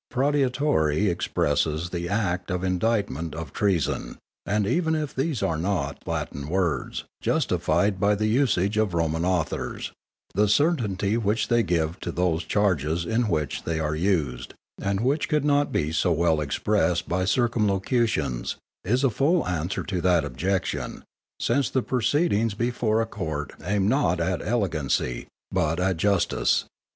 _ Proditorie _expresses the Act in indictments of treason, and even if these are not Latin words, justified by the usage of Roman authors, the certainty which they give to those charges in which they are used, and which could not be so well expressed by circumlocutions, is a full answer to that objection, since the proceedings before a Court aim not at elegancy, but at Justice.